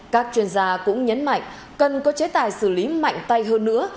các chuyên gia cũng nhấn mạnh cần có chế tài xử lý mạnh tay hơn nữa